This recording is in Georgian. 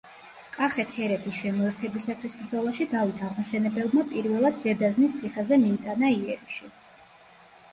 კახეთ-ჰერეთის შემოერთებისათვის ბრძოლაში დავით აღმაშენებელმა პირველად ზედაზნის ციხეზე მიიტანა იერიში.